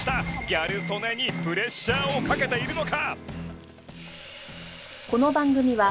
ギャル曽根にプレッシャーをかけているのか？